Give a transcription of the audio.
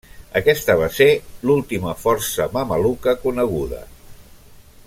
Aquesta va ser l'última força mameluca coneguda.